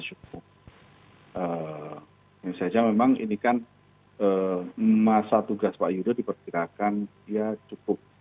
hanya saja memang ini kan masa tugas pak yudho diperkirakan dia cukup